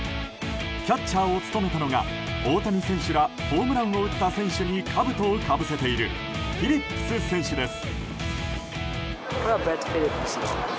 キャッチャーを務めたのが大谷選手らホームランを打った選手にかぶとをかぶせているフィリップス選手です。